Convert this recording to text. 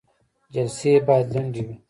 جلسې باید لنډې وي